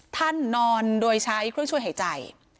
นอนโดยใช้เครื่องช่วยหายใจ